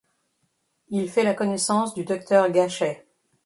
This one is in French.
Il fait la connaissance du docteur Gachet.